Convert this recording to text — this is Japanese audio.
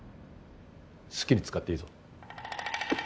好きに使って良いぞ。